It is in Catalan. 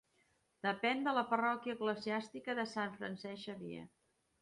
Depèn de la parròquia eclesiàstica de Sant Francesc Xavier.